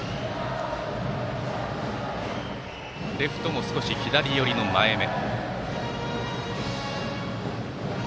レフトも少し左寄りの前め。